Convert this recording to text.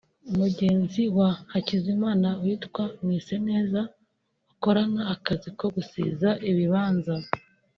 Mugenzi wa Hakizimana witwa Mwiseneza bakorana akazi ko gusiza ibibanza